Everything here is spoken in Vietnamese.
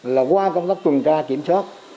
là qua công tác tuần tra kiểm soát